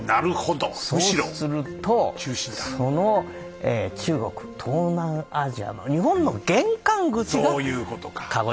そうするとその中国東南アジアのそういうことか。